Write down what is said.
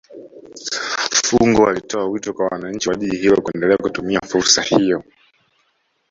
Fungo alitoa wito kwa wananchi wa Jiji hilo kuendelea kutumia fursa hiyo